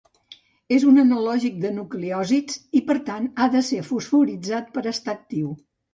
És un analògic de nucleòsids i, per tant, ha de ser fosforitzat per estar actiu.